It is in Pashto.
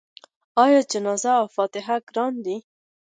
آیا جنازې او فاتحې ګرانې دي؟